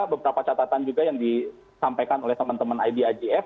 beberapa catatan juga yang disampaikan oleh teman teman idijf